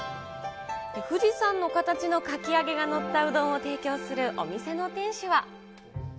富士山の形のかき揚げが載ったうどんを提供するお店の店主は。